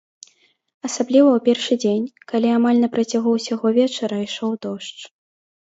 Асабліва ў першы дзень, калі амаль на працягу ўсяго вечара ішоў дождж.